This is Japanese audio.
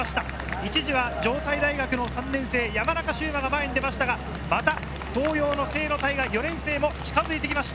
一時は城西大学・山中秀真が前に出ましたが東洋の清野太雅・４年生も近づいてきました。